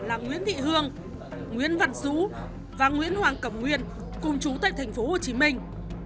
là nguyễn thị hương nguyễn văn dũ và nguyễn hoàng cẩm nguyên cùng chú tại thành phố hồ chí minh